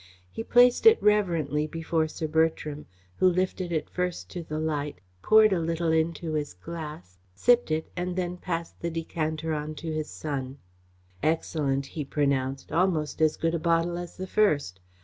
He placed it reverently before Sir Bertram, who lifted it first to the light, poured a little into his glass, sipped it and then passed the decanter on to his son. "Excellent!" he pronounced. "Almost as good a bottle as the first.